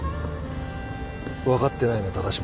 分かってないな高島。